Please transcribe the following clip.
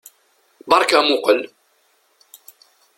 Beṛka amuqqel!